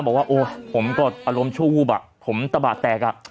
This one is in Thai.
บอกว่าโอ้ยผมก็อารมณ์ชั่ววูบอ่ะผมตะบาดแตกอ่ะ